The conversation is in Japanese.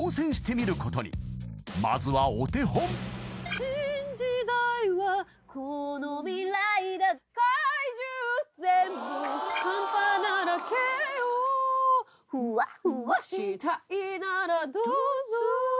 「新時代はこの未来だ」「世界中全部」「半端ならＫ．Ｏ．」「ふわふわしたいならどうぞ」